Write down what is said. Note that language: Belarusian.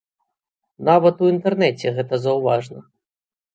Нават у інтэрнэце гэта заўважна.